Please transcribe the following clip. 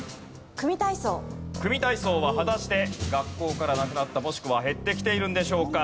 組体操は果たして学校からなくなったもしくは減ってきているんでしょうか？